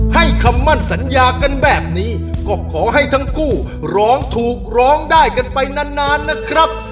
คำมั่นสัญญากันแบบนี้ก็ขอให้ทั้งคู่ร้องถูกร้องได้กันไปนานนะครับ